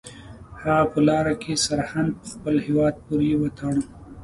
هغه په لاره کې سرهند په خپل هیواد پورې وتاړه.